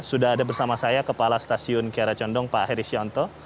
sudah ada bersama saya kepala stasiun kiara condong pak heri sionto